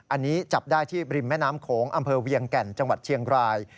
อันนี้จับได้ที่ริมแม่น้ำโขงอำเภอเวียงแก่นจังหวัดเชียงราย